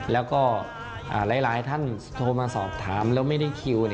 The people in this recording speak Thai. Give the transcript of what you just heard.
แล้วก็หลายท่านโทรมาสอบถามแล้วไม่ได้คิว